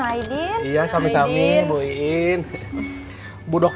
oke kerening tapi jangan akal kok